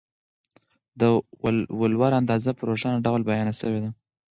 د ولور اندازه په روښانه ډول بیان سوې ده.